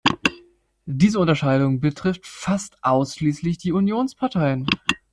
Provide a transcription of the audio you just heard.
Diese Unterscheidung betrifft fast ausschließlich die Unionsparteien.